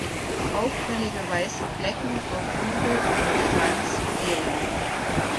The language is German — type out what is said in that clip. Auffällige weiße Flecken auf Flügel oder Schwanz fehlen.